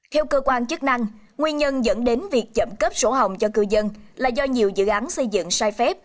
theo cơ quan chức năng nguyên nhân dẫn đến việc chậm cấp sổ hồng cho cư dân là do nhiều dự án xây dựng sai phép